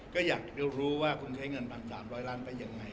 ก็อยากได้รู้ว่าคุณใช้เงินแบบ๓๐๐ล้านไปยังไง